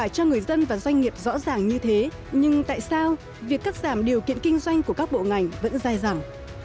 cho người dân và doanh nghiệp rõ ràng như thế nhưng tại sao việc cắt giảm điều kiện kinh doanh của các bộ ngành vẫn dài dẳng